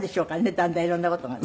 だんだん色んな事がね。